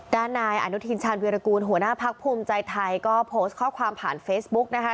ด้านนายอนุทินชาญวิรากูลหัวหน้าพักภูมิใจไทยก็โพสต์ข้อความผ่านเฟซบุ๊กนะคะ